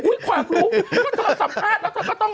อุ๊ยความรู้ก็เธอสัมภาษณ์